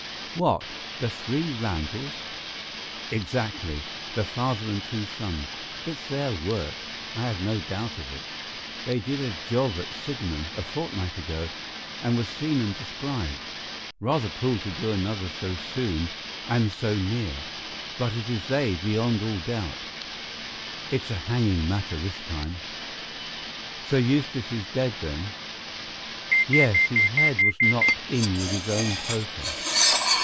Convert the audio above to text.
"What, the three Randalls?" "Exactly; the father and two sons. It's their work. I have not a doubt of it. They did a job at Sydenham a fortnight ago and were seen and described. Rather cool to do another so soon and so near, but it is they, beyond all doubt. It's a hanging matter this time." "Sir Eustace is dead, then?" "Yes, his head was knocked in with his own poker."